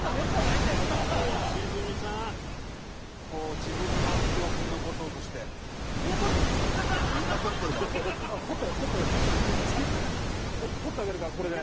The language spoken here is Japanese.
「もう自分の記憶に残そうとして」撮ってあげるからこれで。